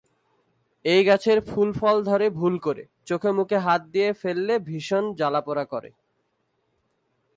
এই গাছের ফুল-ফল ধরে ভুল করে চোখে মুখে হাত দিয়ে ফেললে ভীষণ জ্বালা-পোড়া করে।